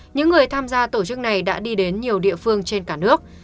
những người tham gia tổ chức này đã đi đến nhiều địa phương trên cả nước